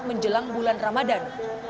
menjelang bulan ramadan